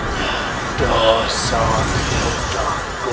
tidak ada apa apa